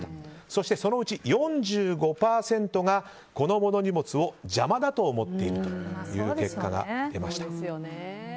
そして、そのうち４５％が子供の荷物を邪魔だと思っているという結果が出ました。